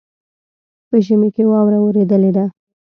په ژمي کې واوره اوریدلې ده.